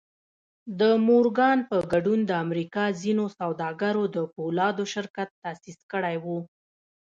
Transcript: د مورګان په ګډون د امريکا ځينو سوداګرو د پولادو شرکت تاسيس کړی و.